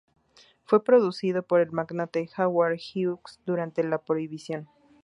Fue producido por el magnate Howard Hughes durante la prohibición.